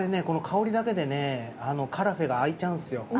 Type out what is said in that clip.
この香りだけでねカラフェがあいちゃうんですよ